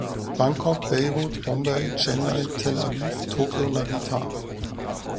Bangkok, Beirut, Bombay, Chennai, Tel Aviv, Tokio-Narita.